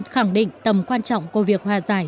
khẳng định tầm quan trọng của việc hòa giải